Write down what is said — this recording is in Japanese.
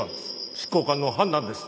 執行官の判断です。